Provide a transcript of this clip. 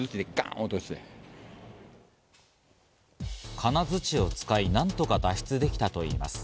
金づちを使い、何とか脱出できたといいます。